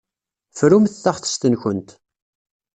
Frumt taɣtest-nkent.